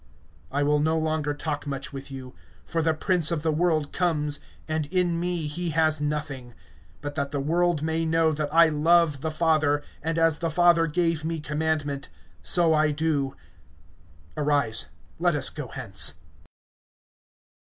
(30)I will no longer talk much with you; for the prince of the world comes, and in me he has nothing. (31)But that the world may know that I love the Father, and as the Father gave me commandment, so I do. Arise, let us go hence.